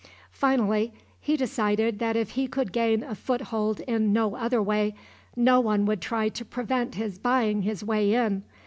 Finally he decided that if he could gain a foothold no other way, no one would try to prevent his buying his way in.